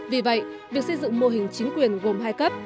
vì vậy việc xây dựng mô hình chính quyền gồm hai cấp